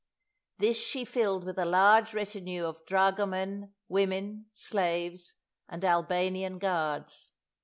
This she filled with a large retinue of dragomen, women, slaves, and Albanian guards.